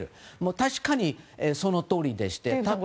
確かに、そのとおりでして。